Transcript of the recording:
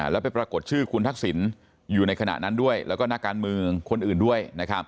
แล้วไปปรากฏชื่อคุณทักษิณอยู่ในขณะนั้นด้วยแล้วก็นักการเมืองคนอื่นด้วย